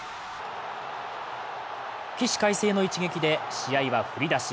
起死回生の一撃で試合は振り出し。